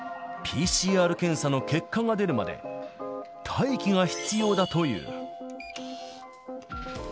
ＰＣＲ検査の結果が出るまで、待機が必要だという。